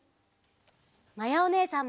まやおねえさんも！